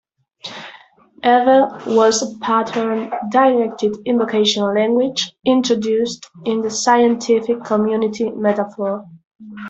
Ether was a pattern-directed invocation language introduced in the Scientific Community Metaphor.